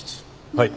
はい。